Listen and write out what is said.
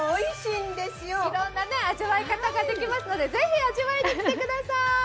いろんな味わい方ができますのでぜひ、味わいに来てください。